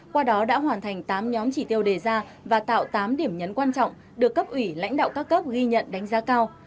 qua đó đã hoàn thành tám nhóm chỉ tiêu đề ra và tạo tám điểm nhấn quan trọng được cấp ủy lãnh đạo các cấp ghi nhận đánh giá cao